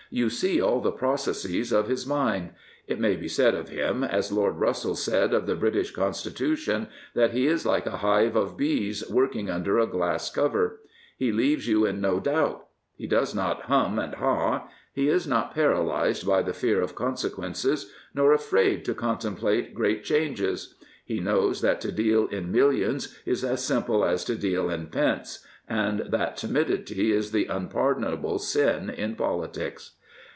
You see all the processes of his mind. It may be said of him, as Lord Russell said of the British Constitution, |that he is like a hive of bees working under a glass cover, i He leaves you in no doubt. He does not " hum and na." He is not paralysed by the fear of consequences, nor afraid to contemplate great changes. He knows that to deal in millions is as simple as to deal in pence and that timidity is the unpardonable sin in politics.